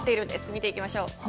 見ていきましょう。